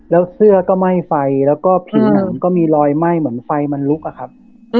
แล้วเสื้อก็ไหม้ไฟแล้วก็ผิวหนังก็มีรอยไหม้เหมือนไฟมันลุกอะครับ